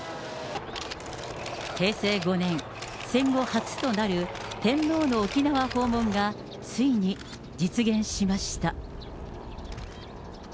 平成５年、戦後初となる天皇の沖縄訪問がついに実現しました。